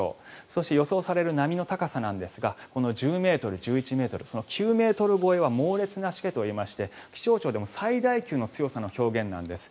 そして予想される波の高さなんですがこの１０ｍ、１１ｍ９ｍ超えは猛烈なしけといいまして気象庁でも最大級の強さの表現なんです。